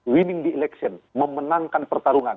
winning di election memenangkan pertarungan